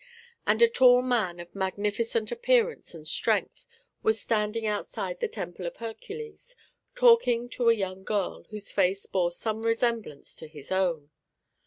and a tall man of magnificent appearance and strength was standing outside the Temple of Hercules, talking to a young girl whose face bore some resemblance to his own.